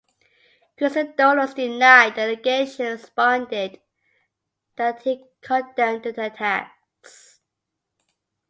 Christodoulos denied the allegation and responded that he condemned the attacks.